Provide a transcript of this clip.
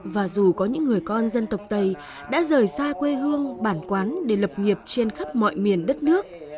và dù có những người con dân tộc tây đã rời xa quê hương bản quán để lập nghiệp trên khắp mọi miền đất nước